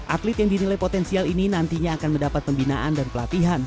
atlet yang dinilai potensial ini nantinya akan mendapat pembinaan dan pelatihan